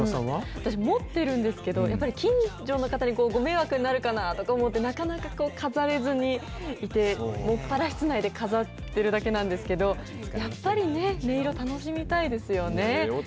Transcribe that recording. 私、持ってるんですけど、近所の方にご迷惑になるかなと思って、なかなか飾れずにいて、専ら室内で飾ってるだけなんですけど、やっぱりね、音色、楽しみたいですよね。